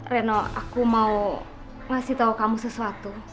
reno aku mau ngasih tahu kamu sesuatu